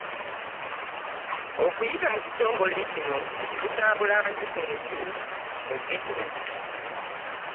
Okuyita mu kitongole kino, tutambula nju ku nju mu Ghetto